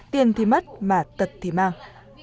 tiền thì mất mà tật thì mang